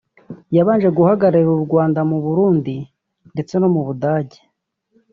yabanje guhagararira u Rwanda mu Burundi ndetse no mu Budage